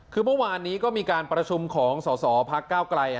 คือเมื่อวานนี้ก็มีการประชุมของสอสอพักก้าวไกล